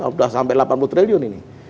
sudah sampai delapan puluh triliun ini